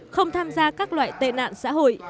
không tham gia các loại tệ nạn xã hội